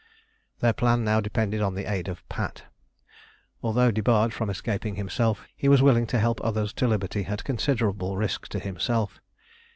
Their plan now depended on the aid of Pat. Although debarred from escaping himself, he was willing to help others to liberty at considerable risk to himself.